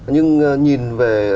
nhưng nhìn về